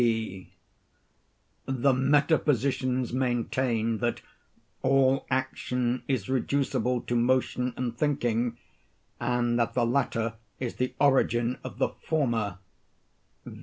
P. The metaphysicians maintain that all action is reducible to motion and thinking, and that the latter is the origin of the former.